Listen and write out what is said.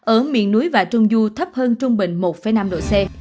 ở miền núi và trung du thấp hơn trung bình một năm độ c